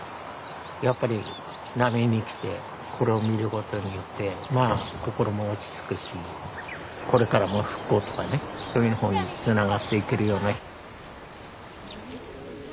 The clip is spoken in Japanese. やっぱり浪江に来てこれを見ることによってまあ心も落ち着くしこれからも復興とかねそういう方につながっていけるような。